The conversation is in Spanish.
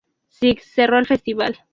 Six", cerró el festival.